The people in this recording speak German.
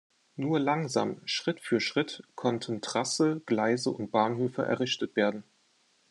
Nur langsam, Schritt für Schritt, konnten Trasse, Gleise und Bahnhöfe errichtet werden.